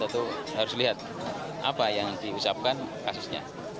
tentu harus lihat apa yang diusapkan kasusnya